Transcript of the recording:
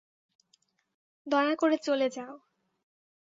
দয়া করে চলে যাও।